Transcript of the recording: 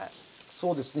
そうですね。